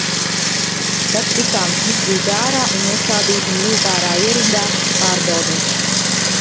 Tad tikām izdzīti ārā un nostādīti militārā ierindā – pārbaudei.